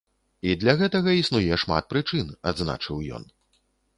І для гэтага існуе шмат прычын, адзначыў ён.